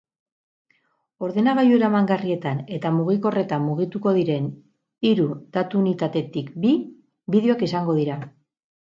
Ordenagailu eramangarrietan eta mugikorretan mugituko diren hiru datu-unitatetik bi, bideoak izango dira.